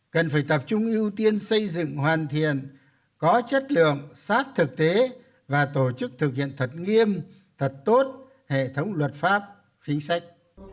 cần phải tập trung ưu tiên xây dựng hoàn thiện có chất lượng sát thực tế và tổ chức thực hiện thật nghiêm thật tốt hệ thống luật pháp chính sách